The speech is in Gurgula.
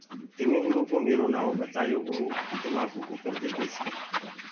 تمي اُرو ڪوُ ميرو نائونٚ ٻتآيو وو تمآ ڪوُ ڪٚڪر ديديسي۔